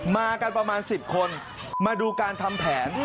มากันประมาณ๑๐คนมาดูการทำแผน